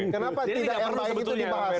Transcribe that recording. kenapa tidak mbi itu dibahas